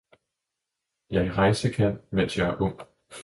Jeg rejse kan, mens jeg er ung